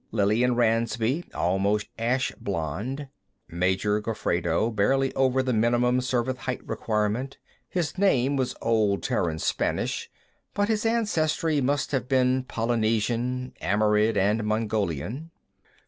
Lillian Ransby, almost ash blond. Major Gofredo, barely over the minimum Service height requirement; his name was Old Terran Spanish, but his ancestry must have been Polynesian, Amerind and Mongolian.